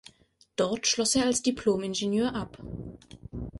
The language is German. Dort schloss er als Diplomingenieur ab.